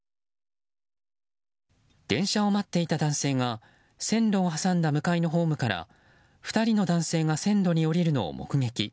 電車を待っていた男性が線路を挟んだ向かいのホームから２人の男性が線路に下りるのを目撃。